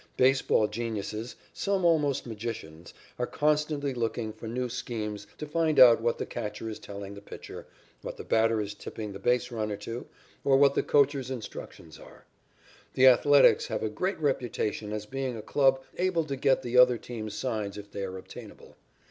Baseball geniuses, some almost magicians, are constantly looking for new schemes to find out what the catcher is telling the pitcher, what the batter is tipping the base runner to, or what the coacher's instructions are. The Athletics have a great reputation as being a club able to get the other team's signs if they are obtainable.